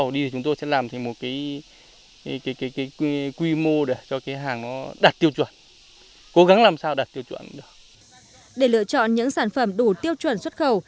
để lựa chọn những sản phẩm đủ tiêu chuẩn xuất khẩu